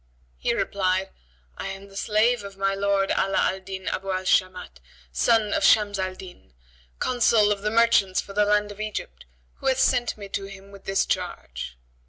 He replied, "I am the slave of my lord Ala al Din Abu al Shamat, son of Shams al Din, Consul of the merchants for the land of Egypt, who hath sent me to him with this charge."